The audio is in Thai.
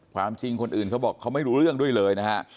ความจริงคนอื่นเขาบอกเขาไม่รู้เรื่องด้วยเลยนะฮะ